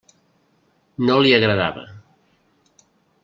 No li agradava.